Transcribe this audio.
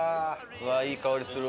うわっいい香りするわ。